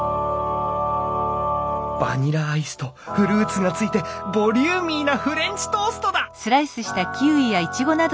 バニラアイスとフルーツがついてボリューミーなフレンチトーストだ！